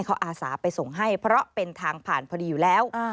เขาอาสาไปส่งให้เพราะเป็นทางผ่านพอดีอยู่แล้ว